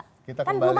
kita kembali kan berarti